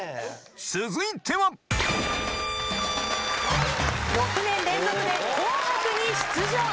続いては６年連続で『紅白』に出場。